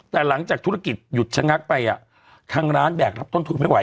แต่หลังจากธุรกิจหยุดชะงักไปทางร้านแบกรับต้นทุนไม่ไห